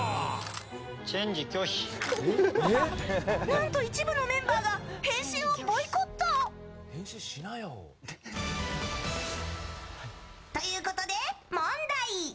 何と、一部のメンバーが変身をボイコット！ということで、問題！